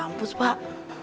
ya ampun pak